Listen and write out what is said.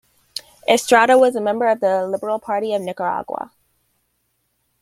Estrada was a member of the Liberal Party of Nicaragua.